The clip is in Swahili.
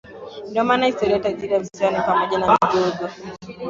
Ndio maana historia tajiri ya visiwa ni pamoja na migogoo